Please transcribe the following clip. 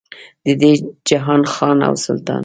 د دې جهان خان او سلطان.